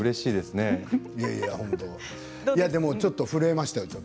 ちょっと震えましたよ。